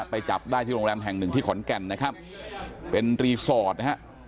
ไปจับได้ที่โรงแรมแห่งหนึ่งที่ขอนแก่นนะครับเป็นรีสอร์ทนะฮะ